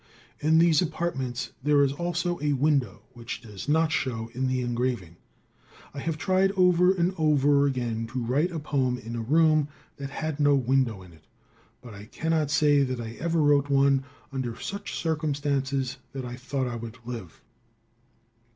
In these apartments there is also a window which does not show in the engraving. I have tried over and over again to write a poem in a room that had no window in it, but I cannot say that I ever wrote one under such circumstances that I thought would live.